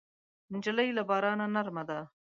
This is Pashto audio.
نجلۍ له بارانه نرمه ده.